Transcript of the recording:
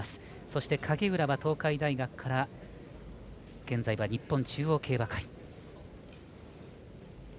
そして影浦は東海大学から現在は日本中央競馬会。